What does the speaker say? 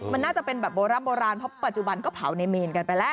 มันน่าจะเป็นแบบโบราณเพราะปัจจุบันก็เผาในเมนกันไปแล้ว